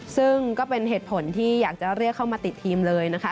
ซึ่งก็เป็นเหตุผลที่อยากจะเรียกเข้ามาติดทีมเลยนะคะ